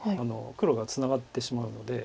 黒がツナがってしまうので。